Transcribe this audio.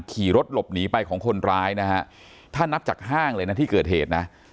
ขี่รถหลบหนีไปของคนร้ายนะฮะถ้านับจากห้างเลยนะที่เกิดเหตุนะ